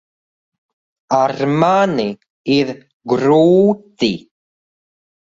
Ar mani ir grūti.